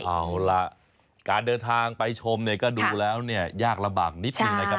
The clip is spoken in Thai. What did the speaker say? เอาล่ะการเดินทางไปชมเนี่ยก็ดูแล้วเนี่ยยากลำบากนิดนึงนะครับ